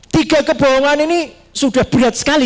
tiga kebohongan ini sudah berat sekali